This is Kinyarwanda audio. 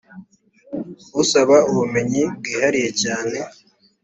usaba ubumenyi bwihariye cyane